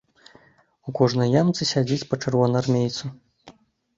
У кожнай ямцы сядзіць па чырвонаармейцу.